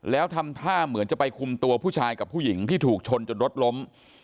แล้วทำท่าเหมือนจะไปคุมตัวผู้ชายกับผู้หญิงที่ถูกชนจนรถล้ม